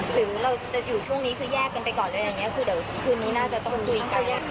หรือเราจะอยู่ช่วงนี้คือแยกกันไปก่อนคือนี้น่าจะต้องคุยกัน